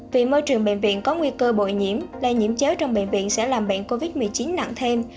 vì môi trường bệnh viện có nguy cơ bộ nhiễm lây nhiễm chéo trong bệnh viện sẽ làm bệnh covid một mươi chín nặng thêm